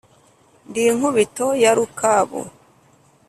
ndi nkubito ya rukabu